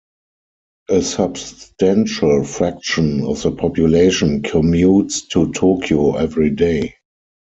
A substantial fraction of the population commutes to Tokyo every day.